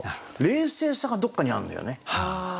冷静さがどっかにあるんだよね。